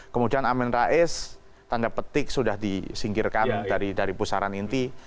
kemudian amin rais tanda petik sudah disingkirkan dari pusaran inti